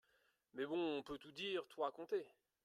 Mais bon, on peut tout dire, tout raconter.